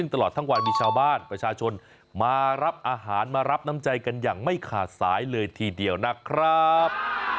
ตลอดทั้งวันมีชาวบ้านประชาชนมารับอาหารมารับน้ำใจกันอย่างไม่ขาดสายเลยทีเดียวนะครับ